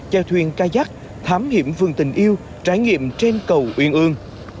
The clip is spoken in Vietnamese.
chèo thuyền ca giác thám hiểm vườn tình yêu trải nghiệm trên cầu uyên ương